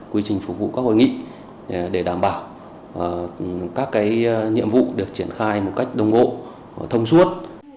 quy trình phục vụ các hội nghị để đảm bảo các nhiệm vụ được triển khai một cách đồng bộ thông suốt